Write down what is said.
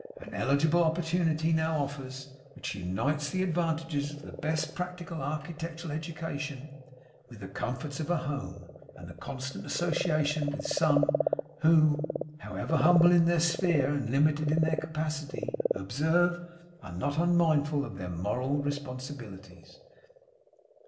'An eligible opportunity now offers, which unites the advantages of the best practical architectural education with the comforts of a home, and the constant association with some, who, however humble their sphere and limited their capacity observe! are not unmindful of their moral responsibilities.